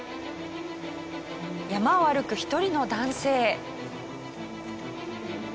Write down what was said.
山を歩く１人の男性。